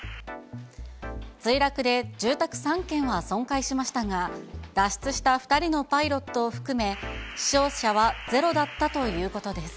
墜落で住宅３軒は損壊しましたが、脱出した２人のパイロットを含め、死傷者はゼロだったということです。